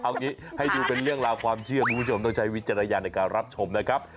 เอางี้ให้ดูเป็นเรื่องราวความเชื่อคุณผู้ชมต้องใช้วิจารณญาณในการรับชมนะครับ